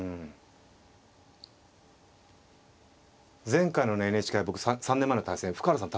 前回のねＮＨＫ杯僕３年前の対戦深浦さん